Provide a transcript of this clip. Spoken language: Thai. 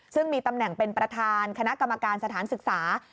ซึ่งมีตำแหน่งเป็นประธานคณะกรรมการสถานศึกษา